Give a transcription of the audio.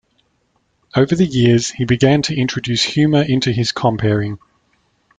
Over the years, he began to introduce humour into his compering.